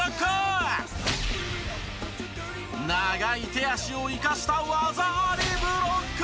長い手足を生かした技ありブロック。